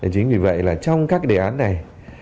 chính vì vậy trong các đề án này